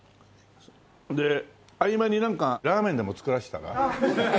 で合間になんかラーメンでも作らしたら？